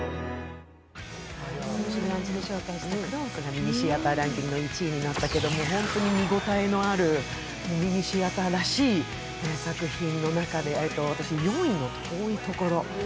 ミニシアターランキングの１位になったけれども本当に見応えのあるミニシアターらしい傑作の中で私、４位の「遠いところ」